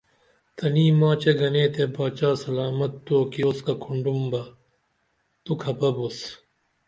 تنی ماچے گنے تے باچا سلامت توکی اُسکہ کُھنڈوم بہ تو کھپہ بوس